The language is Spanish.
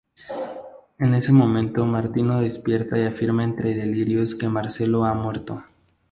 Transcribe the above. En ese momento Martino despierta y afirma entre delirios que Marcello ha muerto.